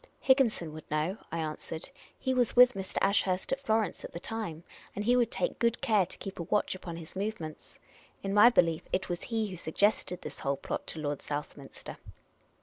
" Higginson would know," I answered. " He was with Mr. Ashurst at Florence at the time, and he would take good care to keep a watch upon his movements. In my belief, it was he who suggested this whole plot to Lord Southminster."